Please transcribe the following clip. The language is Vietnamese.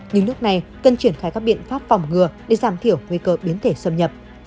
nhưng lúc này cần triển khai các biện pháp phòng ngừa để giảm thiểu nguy cơ biến thể xâm nhập